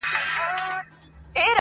o هم ئې زړه کېږي، هم ئې ساړه کېږي٫